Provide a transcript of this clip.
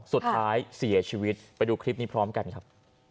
สุดท้ายเสียชีวิตไปดูคลิปนี้พร้อมกันครับ